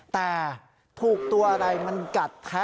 แต่ถูกตัวอะไรมันกัดแท้